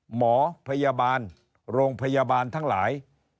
หมอพยาบาลโรงพยาบาลทั้งหลาย